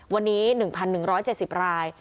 วันนี้๑๑๗๐ราย